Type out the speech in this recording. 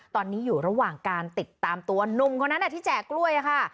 ตอนนี้อยู่ระหว่างการติดตามตัวหนุ่มคนนั้นที่แจกกล้วยค่ะ